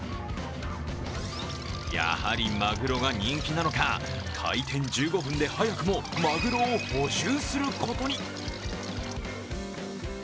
やはりマグロが人気なのか、開店１５分で早くもマグロを補充することに。